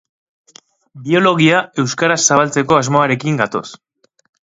Biologia euskaraz zabaltzeko asmoarekin gatoz.